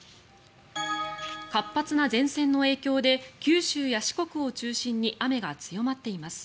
活発な前線の影響で九州や四国を中心に雨が強まっています。